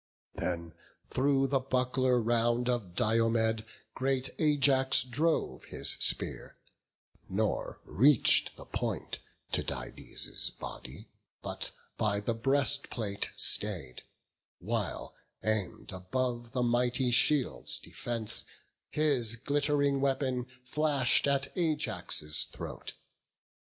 Then through the buckler round of Diomed Great Ajax drove his spear; nor reach'd the point Tydides' body, by the breastplate stay'd: While, aim'd above the mighty shield's defence, His glitt'ring weapon flash'd at Ajax' throat.